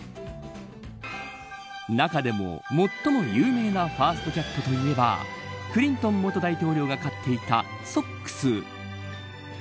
中でも最も有名なファーストキャットといえばクリントン元大統領が飼っていたソックス。